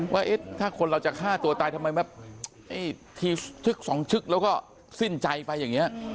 ว่าถ้าคนเราจะฆ่าตัวตายทำไมทีชึกสองชึกแล้วก็สิ้นใจไปอย่างนี้